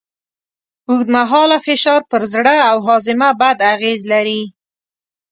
اوږدمهاله فشار پر زړه او هاضمه بد اغېز لري.